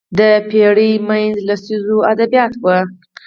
د پېړۍ منځ لسیزو ادبیات وو